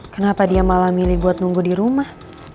kenapa dia malah milih buat nunggu di rumah